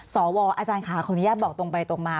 อาจารย์ค่ะขออนุญาตบอกตรงไปตรงมา